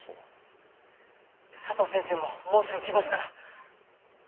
佐藤先生ももうすぐ来ますから！